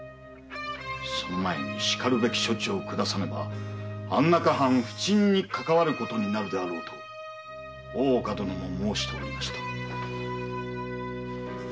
その前にしかるべき処置を下さねば安中藩の浮沈にかかわることになるであろうと大岡殿も申しておりました。